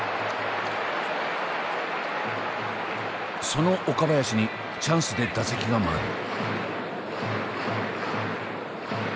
その岡林にチャンスで打席が回る。